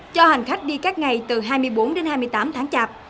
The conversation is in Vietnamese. cho hành khách đi các ngày từ hai mươi bốn đến hai mươi tám tháng chạp